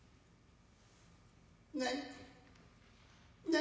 何。